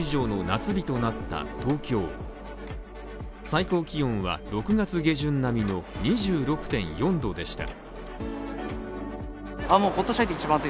最高気温は６月下旬並みの２６．４度でした。